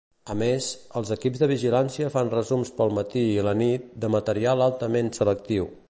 A més, els equips de vigilància fan resums pel matí i la nit de material altament selectiu.